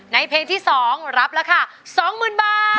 เพลงที่๒รับราคา๒๐๐๐บาท